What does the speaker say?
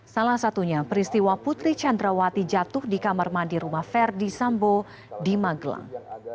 salah satunya peristiwa putri candrawati jatuh di kamar mandi rumah verdi sambo di magelang